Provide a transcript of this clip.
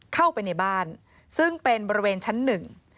เข้าไปในบ้านซึ่งเป็นบริเวณชั้นหนึ่ง